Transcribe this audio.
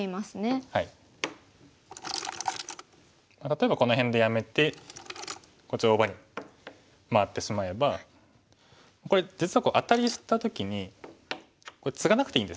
例えばこの辺でやめてこっち大場に回ってしまえばこれ実はアタリした時にツガなくていいんですね。